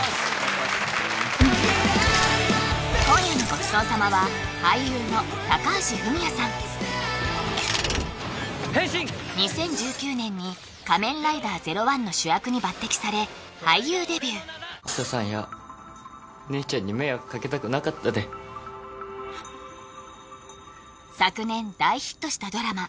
今夜のごちそう様は２０１９年に「仮面ライダーゼロワン」の主役に抜てきされ俳優デビュー姉ちゃんに迷惑かけたくなかったで昨年大ヒットしたドラマ